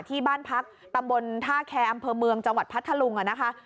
ที่บ้านพักตำบลท่าแคร์อำเภอเมืองจังหวัดพัทธลุงนะคะ